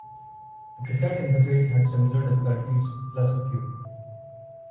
The cassette interface had similar difficulties, plus a few.